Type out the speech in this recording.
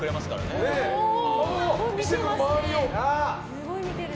すごい見てる。